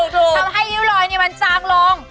ทำให้ริ้วรอยมันจางลง